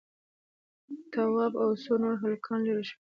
تواب او څو نور هلکان ليرې شول.